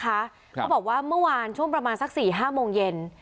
เขาบอกว่าเมื่อวานช่วงประมาณสัก๔๕โมงเย็น